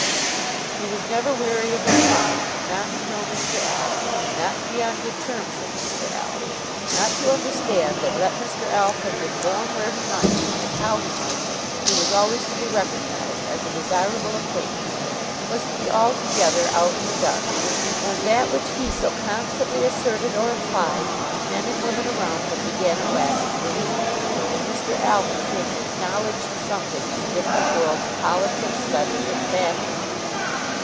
He was never weary of implying that not to know Mr. Alf, not to be on good terms with Mr. Alf, not to understand that let Mr. Alf have been born where he might and how he might he was always to be recognised as a desirable acquaintance, was to be altogether out in the dark. And that which he so constantly asserted, or implied, men and women around him began at last to believe, and Mr. Alf became an acknowledged something in the different worlds of politics, letters, and fashion.